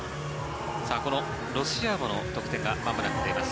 このロシアーボの得点がまもなく出ます。